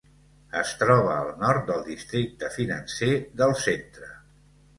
Es troba al nord del districte financer del centre.